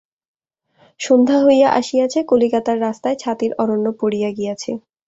সন্ধ্যা হইয়া আসিয়াছে, কলিকাতার রাস্তায় ছাতির অরণ্য পড়িয়া গিয়াছে।